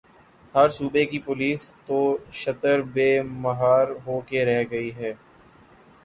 ہر صوبے کی پولیس تو شتر بے مہار ہو کے رہ گئی ہے۔